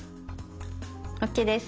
ＯＫです。